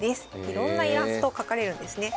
いろんなイラストを描かれるんですね。